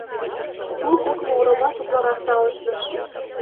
Тул кок могырымат утларак талышныш.